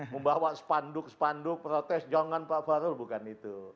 membawa spanduk spanduk protes jangan pak farul bukan itu